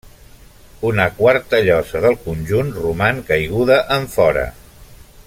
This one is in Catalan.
Una quarta llosa del conjunt roman caiguda enfora.